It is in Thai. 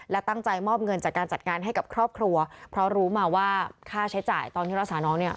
และตั้งใจมอบเงินจากการจัดงานให้กับครอบครัวเพราะรู้มาว่าค่าใช้จ่ายตอนที่รักษาน้องเนี่ย